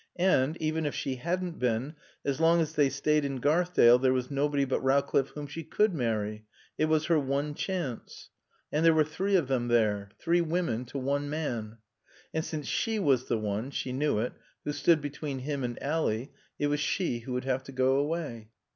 And, even if she hadn't been, as long as they stayed in Garthdale there was nobody but Rowcliffe whom she could marry. It was her one chance. And there were three of them there. Three women to one man. And since she was the one she knew it who stood between him and Ally, it was she who would have to go away.